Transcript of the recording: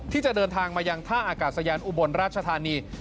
ที่จะเดินทางมายังท่าอากาศยานอุบลราชธานี